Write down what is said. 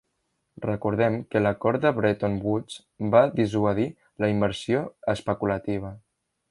Recordem que l'acord de Bretton Woods va dissuadir la inversió especulativa.